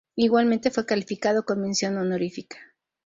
Igualmente fue calificado con mención honorífica.